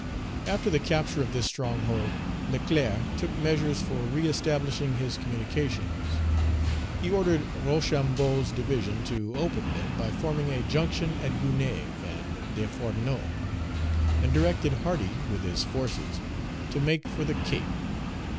After the capture of this stronghold, Leclerc took measures for reëstablishing his communications. He ordered Rochambeau's division to open them by forming a junction at Gonaïves with Desfourneaux; and directed Hardy, with his forces, to make for the Cape.